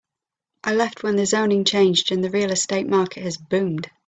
I left when the zoning changed and the real estate market has boomed.